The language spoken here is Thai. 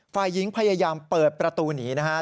ฝ่ายหญิงพยายามเปิดประตูหนีนะครับ